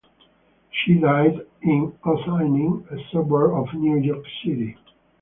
She died in Ossining, a suburb of New York City.